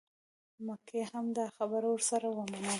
مکۍ هم دا خبره ورسره ومنله.